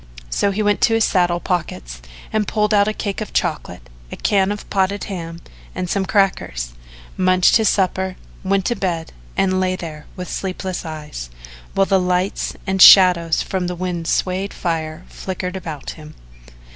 So he went to his saddle pockets and pulled out a cake of chocolate, a can of potted ham and some crackers, munched his supper, went to bed, and lay there with sleepless eyes, while the lights and shadows from the wind swayed fire flicked about him.